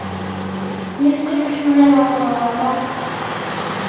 Мӱшкыржӧ шужен огыл ала-мо?..